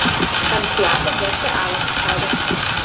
Beim Theater herrsche Arbeitsteilung.